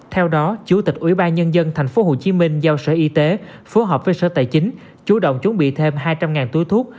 theo đó chủ tịch ủy ban nhân dân tp hcm giao sở y tế phối hợp với sở tài chính chú động chuẩn bị thêm hai trăm linh túi thuốc